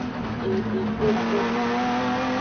Edixoxo.